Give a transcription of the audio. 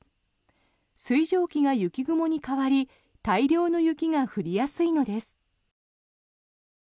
水蒸気が雪雲に変わり大量の雪が降りやすいのです。